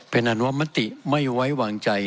เพราะฉะนั้นว่ามัตติไม่ไว้วางใจ